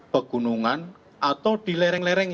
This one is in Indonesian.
pegunungan atau di lereng lereng